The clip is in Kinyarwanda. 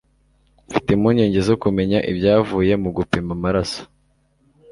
Mfite impungenge zo kumenya ibyavuye mu gupima amaraso.